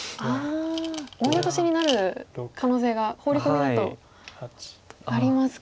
オイオトシになる可能性がホウリコミだとありますか。